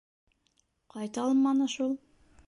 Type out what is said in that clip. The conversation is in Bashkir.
— Ҡайта алманы шул.